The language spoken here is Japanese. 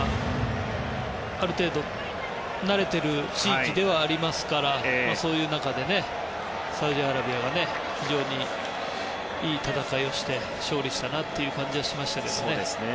ある程度慣れている地域ではありますからそういう中でサウジアラビアが非常にいい戦いをして勝利したなという感じはしましたけどね。